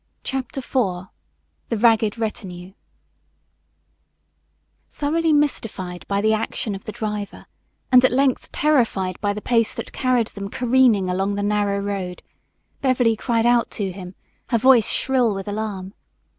CHAPTER IV THE RAGGED RETINUE Thoroughly mystified by the action of the driver and at length terrified by the pace that carried them careening along the narrow road, Beverly cried out to him, her voice shrill with alarm.